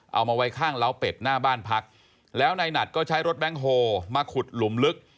เอามาไว้ข้างล้าเป็ดหน้าบ้านพักแล้วนายหนัดก็ใช้รถแบงค์โฮมาขุดหลุมลึก